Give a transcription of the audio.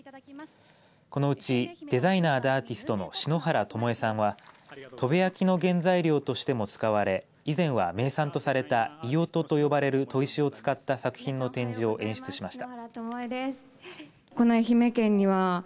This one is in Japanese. このうちデザイナーでアーティストの篠原ともえさんは砥部焼の原材料としても使われ以前は名産とされた伊予砥と呼ばれる砥石を使った作品の展示を演出しました。